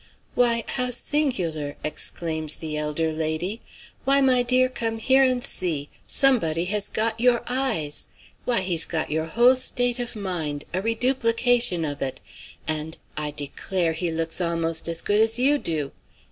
"Why, how singular!" exclaims the elder lady. "Why, my dear, come here and see! Somebody has got your eyes! Why, he's got your whole state of mind, a reduplication of it. And I declare, he looks almost as good as you do!